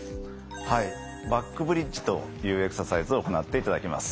はいバックブリッジというエクササイズを行っていただきます。